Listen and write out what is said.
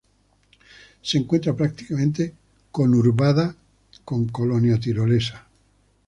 Se encuentra prácticamente conurbada con Colonia Tirolesa.